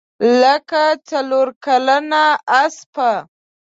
لکه څلورکلنه اسپه.